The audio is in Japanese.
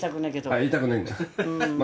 言いたくないんだ。